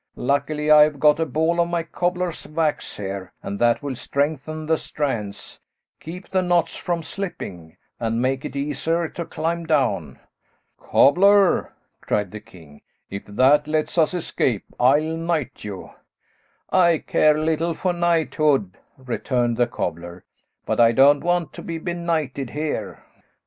Luckily, I have got a ball of my cobbler's wax here, and that will strengthen the strands, keep the knots from slipping, and make it easier to climb down." "Cobbler!" cried the king, "if that lets us escape, I'll knight you." "I care little for knighthood," returned the cobbler, "but I don't want to be benighted here."